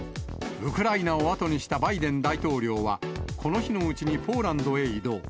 ウクライナを後にしたバイデン大統領は、この日のうちにポーランドへ移動。